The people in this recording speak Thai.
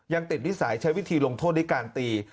ยังติดนิสัยใช้วิธีลงโทษด้วยการตี